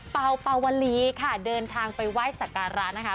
เป่าเป่าวลีค่ะเดินทางไปไหว้สักการะนะคะ